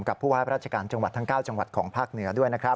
ผู้ว่าราชการจังหวัดทั้ง๙จังหวัดของภาคเหนือด้วยนะครับ